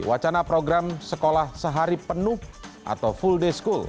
wacana program sekolah sehari penuh atau full day school